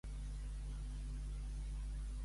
A toro passat.